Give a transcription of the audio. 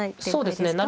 そうですね。